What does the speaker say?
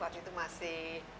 waktu itu masih